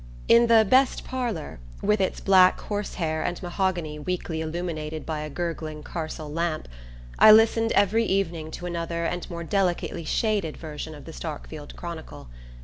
In the "best parlour," with its black horse hair and mahogany weakly illuminated by a gurgling Carcel lamp, I listened every evening to another and more delicately shaded version of the Starkfield chronicle.